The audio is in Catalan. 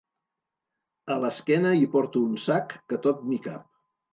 A l'esquena hi porto un sac que tot m'hi cap.